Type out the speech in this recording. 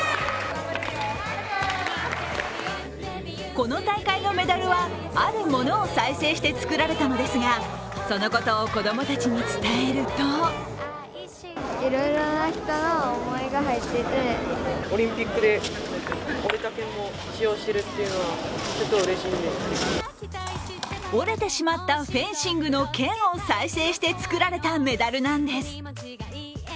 この大会のメダルは、あるものを再生して作られたのですがそのことを子供たちに伝えると折れてしまったフェンシングの剣を再生して作られたメダルなんです。